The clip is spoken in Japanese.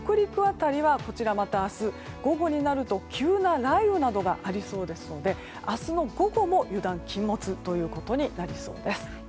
辺りはこちらまた明日午後になると急な雷雨などがありそうですので明日の午後も油断禁物ということになりそうです。